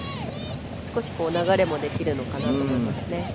少し流れもできるかなと思います。